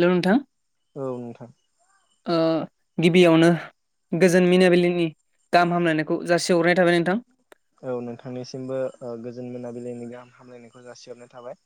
हेल' नोंथां औ नोंथां? ओ गिबियावनो गोजोन मिनाबिलिनि गाहाम हामलायनायखौ जासिहरनाय था औ नोंथांनिसिमबो ओ गोजोन मोनाबिलिनि गाहाम हामलायनायखौ जासिहरनाय थाबाय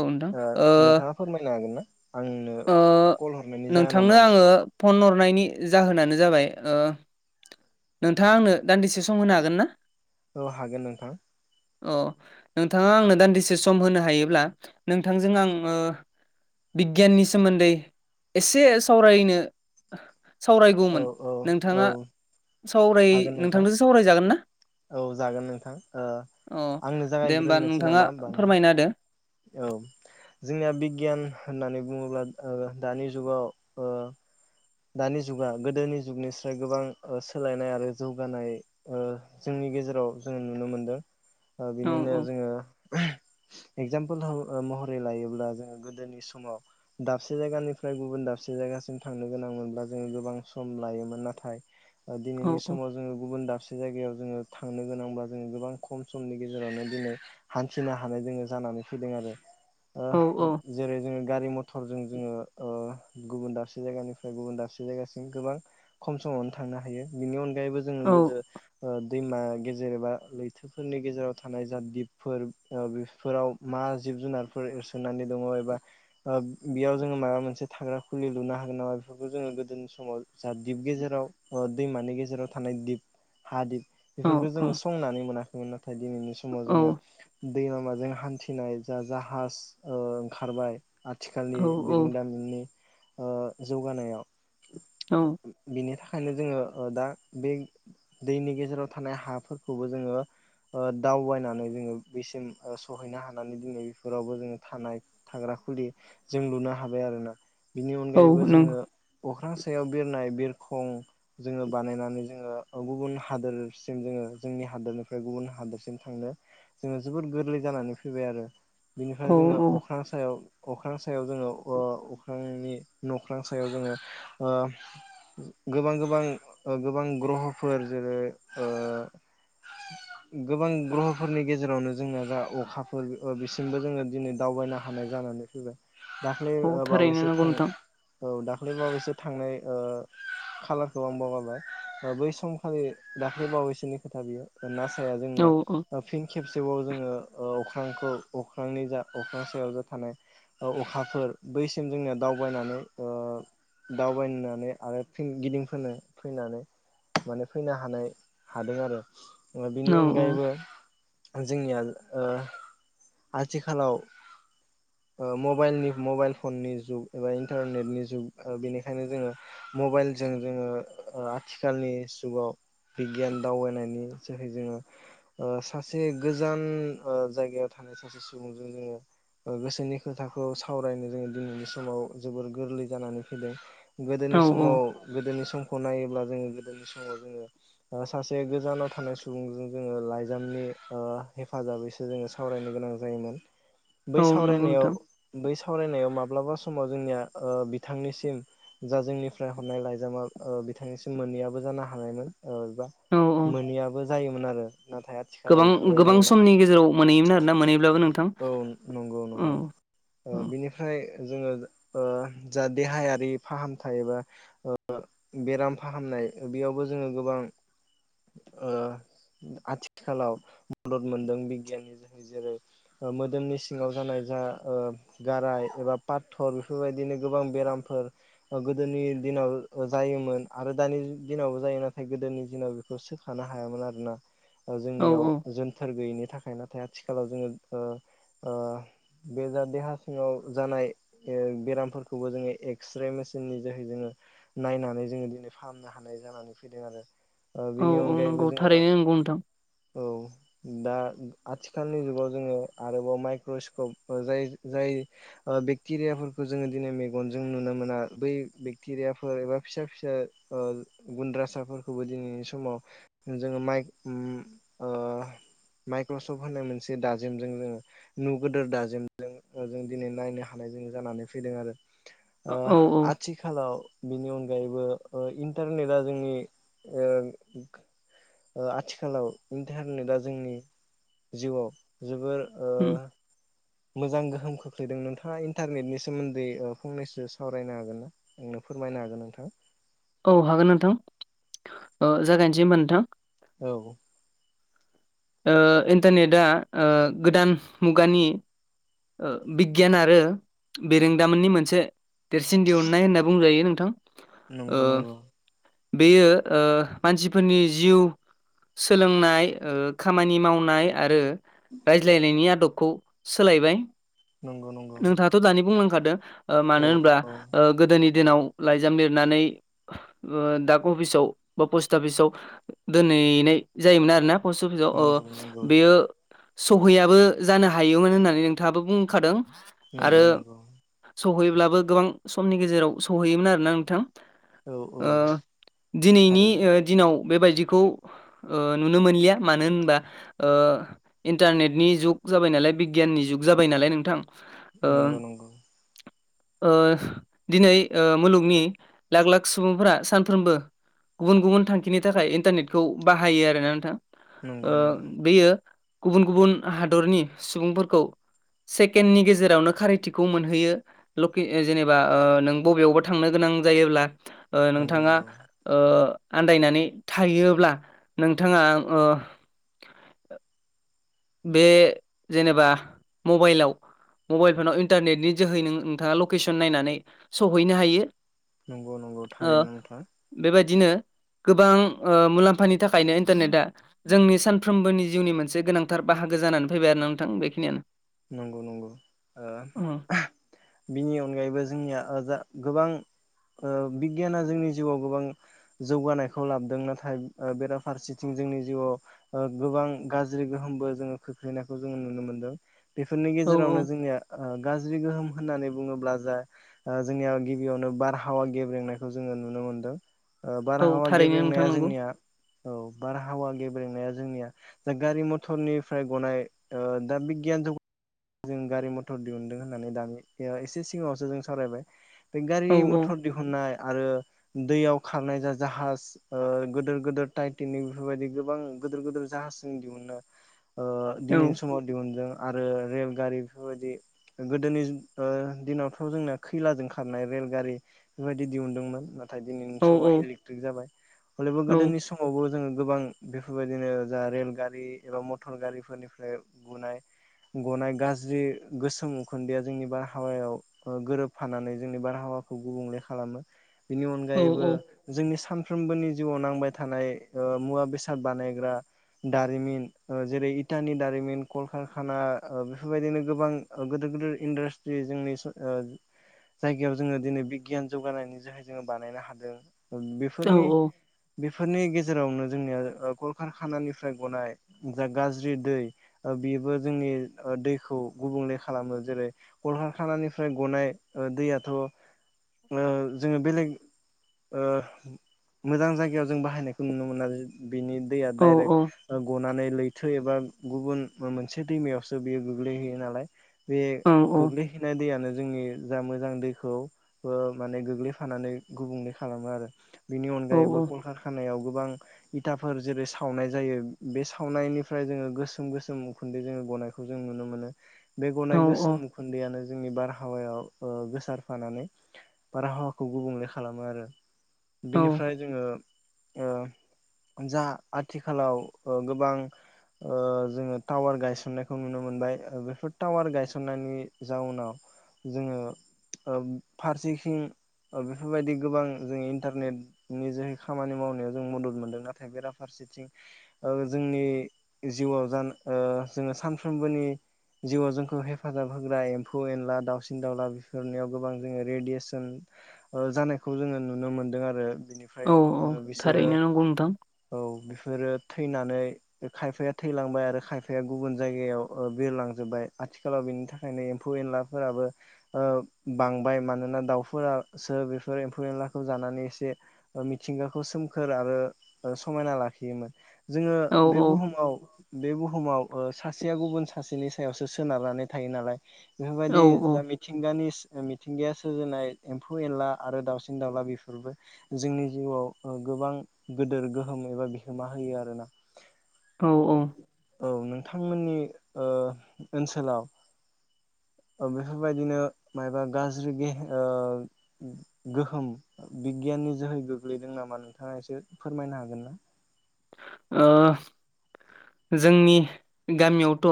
औ नोंथां ओ नोंथाङा फोरमायनो हागोन ना? आंनो ओ कल हरनायनि जाहोना नोंथांनो मामोन? आङो फन हर नायनि जाहोनानो जाबाय ओ नोंथाङा आंनो दान्दिसे सम होनो हागोन ना? ओ हागोन नोंथां। अ नोंथाङा आंनो दान्दिसे सम होनो हायोब्ला नोंथांजों आं ओ बिगियाननि सोमोन्दै एसे सावरायनो औ सावरायगौमोन औ औ नोंथाङा सावराय हागोन नोंथां नोंथांजों सावरायजागोन ना? औ जागोन नोंथां ओ अ आंनो दे होमबा जागायग्रोननोसै नोंथाङा नामा होमबा नोंथां? फोरमायना होदो औ। जोंनिया बिगियान होननानै बुङोब्ला ओ दानि जुगाव ओ दानि जुगा गोदोनि जुगनिफ्राय गोबां ओ सोलायनाय आरो जौगानाय ओ जों नि गेजेराव जोङो नुनो मोनदों ओ औ बिनिनो औ जोङो एगजामपोल ओ महरै लायोब्ला जोङो गोदोनि समाव दाबसे जायगानिफ्राय गुबुन दाबसे जायगा सिम थांनो गोनां मोनब्ला जों गोबां सम लायोमोन। नाथाय ओ औ दिनैनि औ समाव जोङो गुबुन दाबसे जायगायाव जोङो थांनो गोनांब्ला जोङो गोबां खम समनि गेजेरावनो दिनै हान्थिनो हानाय जोङो जानानै फैदों आरो औ ओह जेरै जोङो गारि मथर जों जोङो ओ गुबुन दाबसे जायगानिफ्राय गुबुन दाबसे जायगासिम गोबां खम समावनो थांनो हायो बिनि अन गायैबो जोङो औ गोदो ओ दैमा गेजेर बा लैथोफोरनि गेजेराव थानाय जा दिपफोर बि फोराव मा जिब जुनारफोर सोनानै दङ एबा बेयाव जोङो माबा मोनसे थाग्रा फुलि लुनो हागोन नामा बेफोरखौ जोङो गोदोनि समाव जा दिप गेजेराव दैमानि गेजेराव थानाय दिप हादिब औ बेफोरखौ औ जोङो संनानै मोनाखैमोन नाथाय दिनैनि समाव जोङो दै लामाजों हान्थिनाय जा जाहाज ओ ओंखारबाय औ आथिखालनि बिरोंदामिननि जौगानायाव औ बिनि थाखाय बेखायनो जोङो ओ दा बे दैनि गेजेराव थानाय हाफोरखौबो जोङो ओ दावबायनानै जोङो बेसिम ओ स सहैनो हानानै दिनै रावबो जोङो थानाय थाग्रा खुलि जों लुनो हाबाय आरोना बिनि औ अनगायैबो नंगौ जोङो अख्रां सायाव बिरनाय बिरखं जोङो बानायनानै जोङो गुबुन हादोरसिम जोङो जोंनि हादनिफ्राय गुबुन हादोरसिम थांनो जोङो जोबोर गोरलै जानानै फैबाय आरो बिनिफ्राय औ जोङो औ अख्रां सायाव अख्रां सायाव जोङो ओ‌ अख्रांनि न'ख्रां सायाव जोङो ओ गोबां गोबां ओ गोबां ग्रह'फोर जेरै ओ गोबां ग्रहफोरनि गेजेरावनो जोंना दा अखाफोर ओ बिसिमबो जोङो दिनै दावबायनो हानाय जानानै फैबाय दाख्लै औ ओ थारैनो बावैसो नंगौ थां नोंथां औ दाख्लै बावैसो थांनाय ओ खालारखौ आं बावगारबाय ओ बै समखालि दाख्लै बावैसोनि खोथा बियो ओ ना ओ औ जोंनिया औ ओ फिन खेबसेबाव जोङो ओ अख्रांखौ अख्रांनि जा अख्रां सायाव जा थानाय औ अखाफोर बैसिम जोंनिया दाउ दावबायनानै ओ दावबायनानै आर फिन गिदिंफिनो फैनानै माने फैनो हानाय हादों आरो ओ बेनि अनगायैबो औ जोंनिया आ आथिखालाव ओ मबाइलनि मबाइल फननि जुग एबा इन्टारनेटनि जुग ओ बेनिखायनो जोङो मबाइलजों जोङो ओ आथिखालनि जुगाव बिगियान दावबायनायनि जोहै जोङो ओ सासे गोजान ओ जायगायाव थानाय सासे सुबुंजों जोङो ओ गोसोनि खोथाखौ सावरायनो जोङो दिनैनि समाव जोबोर गोरलै जानानै फैदों औ गोदोनि समाव गोदोनि सम गनायोब्ला जोङो गोदोनि समाव जोङो ओ सासे गोजानाव थानाय सुबुंजों जोङो लाइजामनि ओ हेफाजाबैसो जोङो सावरायनो गोनां जायोमोन बै औ नंगौ सावरायनायाव नोंथां बै साव सावरायनायाव माब्लाबा समाव जोंनिया ओ‌ बिथांनिसिम जा जोंनिफ्राय हरनाय लाइजामा ओ बिथांनिसिम मोनैयाबो जानो हानायमोन ओ बा औ औ मोनैयाबो जायोमोन आरो नाथाय आथिखालाव गोबां बेफोरबायदि गोबां नंला समनि गेजेराव मोनहैयोमोन आरोना मोनहैब्लाबो नोंथां औ नो नंगौ औ नंगौ ओ औ बिनिफ्राय जोङो ओ जा देहायारि फाहामथाय एबा ओ बेराम फाहामनाय बेयावबो जों जोङो गोबां ओ आथिखालाव मदद मोनदों बि जेनि जेनि जेरै ओ मोदोमनि सिङाव जानाय जा ओ गाराय एबा पाथर बेफोरबायदिनो गोबां बेरामफोर ओ गोदोनि दिनाव ओ जायोमोन आरो दानि दिनाव जा जायो नाथाय गोदोनि दिनाव बेखौ सोखानो हायामोन आरोना ओ औ जोंनियाव औ जोनथोर गैयैनि थाख थाखाय नाथाय आथिखालाव जोङो ओ ओ बे जा देहा सिङाव जानाय ओ बेरामफोरखौबो जोङो एक्सरे मेसि नि जोहै जोङो नायनो हानाय जोङो दिनै फाहामनो हानाय जानानै फैदों आरो ओ औ बेनि औ अनगायैबो नंगौ जोङो थारैनो नंगौ नोंथां औ दा आथिखालनि जुगाव जोङो आरोबाव माइक्र'स्कप ओ जाय जाय ओ बेक्टेरियाफोरखौ जोंयो दिनै मेगनजों नुनो मोना बै बेक्टेरियाफोर एबा फिसा फिसा ओ गुनद्रा गोसोफोरखौबो दिनैनि समाव जोङो माइख म ओ माइख क्रसफ होननाय मोनसे दाजेमजों जोङो नु गोदोर दाजेमजों ओ जों दिनै नायनो हानाय जों जानानै फैदों आरो ओ औ औ आथिखालाव बेनि अनगायैबो ओ इन्टारनेटआ जोंनि ओ ओ आथिखालाव इन्टारनेटआ जोंनि जिउआव जोबोर ओ उम मोजां गोहोम खोख्लैदों नोंथाङा इन्टारनेटनि सोमोनदोयै ओ फंनैसो सावरायनो हागोनना फोरमायनो हागोन नोंथां। औ हागोन नोंथां ओ जागायनोसै होमबा नोंथां। औ। ओ इन्टारनेटआ ओ गोदान मुगानि ओ बिगियान आरो बेरोंदामोननि मोनसे देरसिन दिहुननाय होनना बुंजायो नोंथां। ओ नंगौ नंगौ। बेयो ओ मानसिफोरनि जिउ सोलोंनाय ओ खामानि मावनाय आरो रायज्लायनायनि आदबखौ सोलायबाय नंगौ नंगौ नोंथाङाथ' दानि बुंलांखा दों ओ मानो औ होनब्ला औ ओ गोदोनि दिनाव लाइजाम लिरनानै ओ दाक अफिसाव बा पस्ट अफिसाव दोनहैनाय जायोमोन आरोना। पस्ट अफिसाव अ नंगौ नंगौ बेयो सहैयाबो जानो हायोमोन होननानै नोंथाङाबो बुंखादों। नोंगौ नोंगौ। सौहैब्लाबो गोबां समनि गेजेराव सौहैयोमोन आरोना नोंथां। औ औ ओ दिनैनि थारैनो ओ दिनाव बेबायदिखौ ओ नुनो मोनलिया मानो होनबा ओ इन्टारनेटनि जुग जाबाय नालाय बिगियाननि जुग जाबाय नालाय नोंथां। ओ नंगौ नंगौ। ओ दिनै ओ मुलुगनि लाख लाख सुबुंफोरा सानफ्रोमबो गुबुन गुबुन थांखिनि थाखाय इन्टारनेटखौ बाहायो आरोना नोंथां। ओ नंगौ नंगौ बेयो गुबुन गुबुन हादरनि सुबुंफोरखौ सेकेणडनि गेजेरावनो खारिथिखौ मोनहोयो लके ओ जेनेबा ओ नों बबेयावबा थांनो गोनां नां जायोब्ला ओ नंगौ नोंथाङा नंगौ ओ आन्दायनानै थायोब्ला नोंथाङा ओ बे जेनेबा मबाइलाव मबाइल फनाव इन्टारनेटनि जोहै नों नोंथाङा लकेसन नायनानै सौहैनो हायो। नंगौ नंगौ थारैनो नोंथां। दिनो गोबां ओ मुलाम्फानि थाखायनो इन्टारनेटआ जोंनि सानफ्रोमबोनि जिउनि मोनसे गोनां थार बाहागो जानानै फैबाय आरोना नोंथां बेखिनियानो। नंगौ नंगौ ओ बिनि अनगायैबो जोंनिया ओ‌ जा गोबां ओ बिगियाना जोंनि जिउआव गोबां जौगानायखौ लाबोदों नाथाय ओ बेराफारसेथिं जोंनि जिउआव ओ गोबां गाज्रि गोहोमबो जोङो खोख्लैनायखौ जोङो नुनो मोनदों। बेफोरनि औ औ गेजेरावनो जोंनिया ओ गाज्रि गोहोम होननानै बुङोब्ला जा ओ जोंनियाव गिबियावनो बारहावा गेबेंनायखौ जोङो नुनो मोनदों। ओ औ बारहावा थारैनो नोंथां गेबेंनाया नंगौ। जोंनिया औ बारहावा गेबेंनाया जोंनिया दा गारि मथरनिफ्राय गनाय ओ दा बिगियान जुग जों गारि मथर दिहुनदों होननानै दानि सो एसे सिगाङावसो जों सावरायबाय। बे औ गारि मथर दिहुननाय आरो दैयाव खारनाय जा जाहाज ओ गोदोर गोदोर टाइटेनिक बेफोरबायदि गोबां गोदोर गोदोर जाहाजनि दिहुनो ओ औ दिनैनि समाव दिहुनदों आरो रेल गारि बेफोरबायदि गोदोनि जि ओ दिनावथ' जोंना खैलाजों खारनाय रेलगारि बेबायदि दिहुनदोंमोन नाथाय दिनैनि औ समाव औ इलेकट्रिक जाबाय अलेबो गोदोनि समावबो जों गोबां बेफोरबायदिनो जा रेलगारि एबा मटर गारिफोरनिफ्राय गुनाय गनाय गाज्रि गोसोम उखुनदैआ जोंनि बारहावायाव ओ गोरोबफानानै जोंनि बारहावाखौ गुबुंले खालामो बिनि औ अनगायैबो जोंनि सान फ्रोमबोनि जिउआव नांबाय थानाय ओ मुवा बेसाद बानायग्रा दारिमिन ओ जेरै इटानि दारिमिन कलकखाना ओ बेफोरबायदिनो गोबां गिदिर गिदिर इन्डास्ट्रि जोंनि ओ जायगायाव जोङो दिनै बिगियान जौगानायनि जोहै जोङो बानायनो हादों औ बेफोरनि बेफोरनि गेजेरावनो जोंनिया कलकारखानानिफ्राय गनाय जा गाज्रि दै ओ बेबो जोंनि दैखौ गुबुंले खालामो जेरै खर कारखानानिफ्राय गनाय दैयाथ' ओ जोङो बेलेग ओ मोजां जायगायाव जों बाहायनायखौ नुनो मोना बिनि दैया औ औ दडाइरेक्ट गनानै लैथो एबा गुबुन मोनसे दैमायाव सो बेयो गोग्लैहैयो नालाय बे गोग्लैहैनाय दैयनो जोंनि जा मोजां दैखौ ओ माने गोग्लैफानानै गुबुंले खालामो आरो। बेनि औ अनगायैबो कलकारखानायाव गोबां इथाफोर जेरै सावनाय जायो बे सावनायनिफ्राय जोङो गोसोम गोसोम उखुन्दै जोङो गनाय खौ जों नुनो मोनो बे गनाय औ गोसोम उखुन्दैयानो जोंनि बारहावायाव गोसारफानानै बारहावाखौ गुबुंले खालामो आरो औ बिनिफ्राय जोङो ओ जा आथिखालाव गोबां ओ जोङो टावार गायसननाय खौ नुनो मोनबाय बेफोर टावार गायसननायनि जाउनाव जोङो ओ फारसि सिं ओ बेफोरबायदि गोबां जों इन्टारनेट नि जोहै खामानि मावनायाव जों मदद मोनदों नाथाय बेराफारसे सेथिं ओ जोंनि जिउआव जान ओ जोङो सानफ्रोमबोनि जिउआव जोंखौ हेफाजाब होग्रा एम्फौ एनला दावसिन दाउला बेफोरनियाव गोबां जोङो रेडियेसन ओ जानायखौ जोङो नुनो मोनदों आरो। बिनिफ्राय औ औ ओ बिसोरो थारैनो नंगौ नोंथां औ बिफोरो थैनानै खायफाया थैलांबाय आरो खायफाया गुबुन जाय ओ बिरलांजोबबाय आथिखालाव बिनि थाखायनो एम्फौ एनलाफोराबो ओ बां बाय मानोना दाउफोरासो बेफोर एम्फौ एनलाखौ जानानै एसे मिथिंगाखौ सोमखोरा आरो ओ समायना लाखियोमोन जोङो औ बे बुहुमाव बे बुहुमाव ओ सासेया गुबुन सासेनि सायावसो सोनारनानै थायो नालाय औ बेफोरबायदि जा मिथिंगानि ओ मिथिंगाया सो जोंना एम्फौ एनला आरो दाउसिन दाउला बेफोरबो जोंनि जिउआव ओ गोबां गोेदोर गोहोम एबा बिहोमा होयो आरोना। औ औ औ नोंथांमोननि ओ ओनसोलाव ओ बेफोरबायदिनो मायबा गाज्रि गह ओ गोहोम बिगियाननि जोहै गोग्लैदों नामा नोंथाङा एसे फोरमायनो हागोन ना? ओ जोंनि गामियावथ'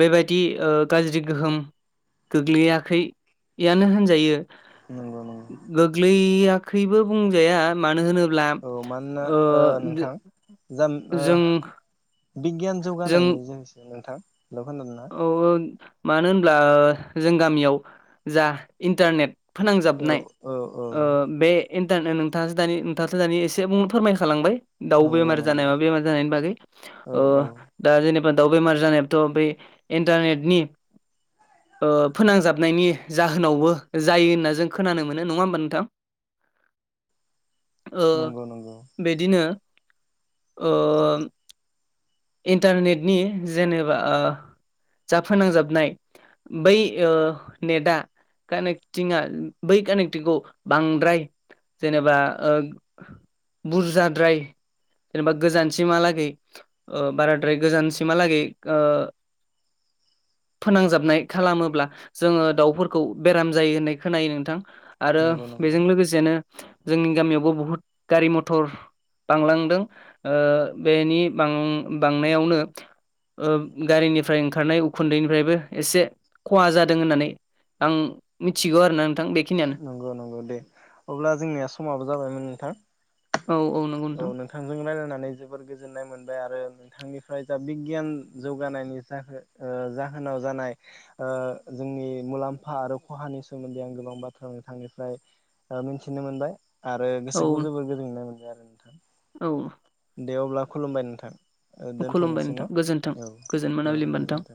बेबायदि ओ गाज्रि गोहोम गोग्लैयाखै यानो होनजायो नंगौ नंगौ। गोग्लैयाखैबो बुंजाया मानो होनो औ मानोना नोंथां जाम ओ जों बिगियान जौगानायनि जोहैसो नोंथां हेलौ खोनादोंना? औ औ मानो होनब्ला जों गामियाव जा इन्टारनेट औ फोनांजाबनाय औ औ ओ बे इन्टारनेट नोंथाङास दानि नोंथासो दानि एसे बुंनो फोरमायखालांबाय दाउ नंगौ बेमार नंगौ जानाय मा बेमार जानायनि बागै औ ओ औ दा जेने बा दाउ बेमार जानायाबोथ' बे इन्टारनेटनि ओ फोनांजाबनायनि जाहोनावबो जायो होनना जों खोनानो मोनो नङा होमबा नोंथां? [inaudible] ओ नंगौ नंगौ बिदिनो ओ इन्टारनेटनि जेनेबा ओ जाफोनांजाबनाय बै ओ नेटआ कानेक्टिंआ बै कानेक्टिंखौ बांद्राय जेनेबा ओ बुरजाद्राय जेनेबा गोजानसिम हालागै ओ बाराद्राय गोजानसिमहालागै ओ फोनांजाबनाय खालामोब्ला जोङो दाउफोरखौ बेराम जायो होननाय खोनायो नोंथां आरो नंगौ नंगौ बेजों लोगोसेनो जोंनि गामियावबो बुहुत गारि मथर बांलांदों ओ बेनि बां बांनायावनो ओ गारिनिफ्राय ओंखारनाय उखुन्दैनिफ्रायबो एसे खहा जादों होननानै आं मिथिगौ आरो ना नंगौ नंगौ दे अब्ला जोंनिया समाबो जाबायमोन नोंथां औ नंगौ औ नोंथां नोंथांजों रनायलायनानै जोबोर गोजोननाय मोनबाय आरो नोंथांनिफ्राय जा बिगियान जौगानायनि जा जाहोन नाव जानाय ओ जोंनि मुलाम्फा आरो खहानि सोमोन्दै आं गोबां बाथ्रा नोंथांनिफ्राय मिन्थिनो मोनबाय आरो गोसोखौ औ जोबोर गोजोननाय मोनबाय आरो नोंथां औ दे अब्ला खुलुमबाय नोंथां ओ खुलुमबाय दोनथ'नोसै नोंथां न' गोजोन्थों औ गोजोन औ मोनाबिलि होनबा नोंथां गोजोन्थों।